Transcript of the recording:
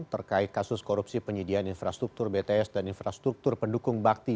terkait kasus korupsi penyediaan infrastruktur bts dan infrastruktur pendukung bakti